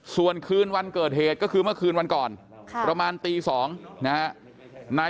ส่วนคืนวันเกิดเหตุก็คือเมื่อคืนวันก่อนประมาณตี๒นะฮะ